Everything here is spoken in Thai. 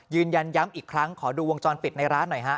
ยืนยันย้ำอีกครั้งขอดูวงจรปิดในร้านหน่อยฮะ